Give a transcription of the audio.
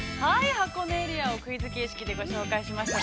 ◆箱根エリアをクイズ形式でご紹介しましたが。